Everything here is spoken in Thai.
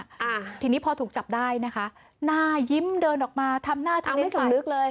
อ่าทีนี้พอถูกจับได้นะคะหน้ายิ้มเดินออกมาทำหน้าที่ไม่สำนึกเลย